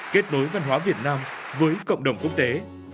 kết nối văn hóa việt nam với cộng đồng quốc tế